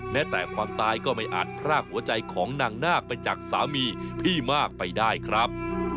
แม้แต่ความตายก็ไม่อาจพรากหัวใจของนางนาคไปจากสามีพี่มากไปได้ครับ